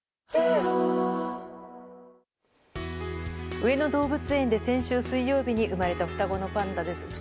上野動物園で先週水曜日に生まれた双子のパンダです。